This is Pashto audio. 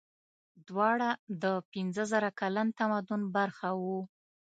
دواړه د پنځه زره کلن تمدن برخه وو.